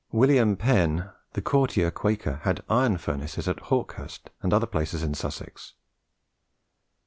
William Penn, the courtier Quaker, had iron furnaces at Hawkhurst and other places in Sussex.